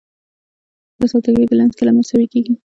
د سوداګرۍ بیلانس کله مساوي کیږي؟